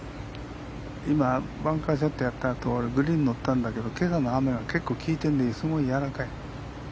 今、バンカーショットやったあとグリーン乗ったんだけど今朝の雨がきいててすごいやわらかい。